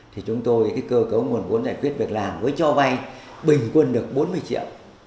thì chúng tôi cơ cấu nguồn vốn giải quyết việc làm với cho vay bình quân được bốn mươi triệu